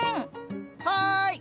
はい！